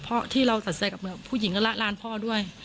เพราะที่เราตัดสินใจกับมือผู้หญิงก็ละลานพ่อด้วย